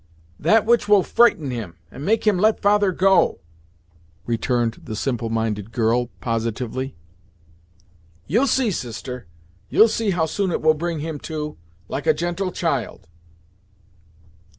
"That which will frighten him, and make him let father go " returned the simple minded girl, positively. "You'll see, sister; you'll see, how soon it will bring him to, like a gentle child!"